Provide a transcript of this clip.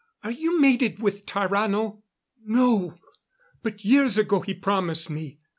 Are you mated with Tarrano?" "No! But years ago he promised me.